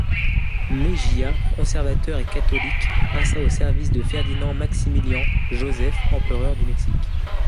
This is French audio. Mejía, conservateur et catholique passa au service de Ferdinand Maximilian Joseph, empereur du Mexique.